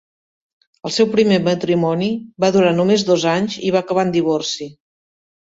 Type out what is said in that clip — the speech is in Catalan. El seu primer matrimoni va durar només dos anys i va acabar en divorci.